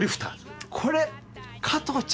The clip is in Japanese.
これ加藤茶？